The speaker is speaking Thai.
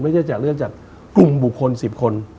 ไม่ได้จากเลือกจากกรุงบุคคล๑๐คน